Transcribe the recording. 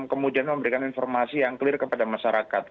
kemudian memberikan informasi yang clear kepada masyarakat